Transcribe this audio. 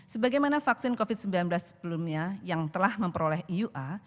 sebagai mana vaksin covid sembilan belas sebelumnya yang telah memperoleh eua